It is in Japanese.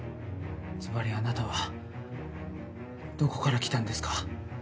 ずばりあなたはどこから来たんですか？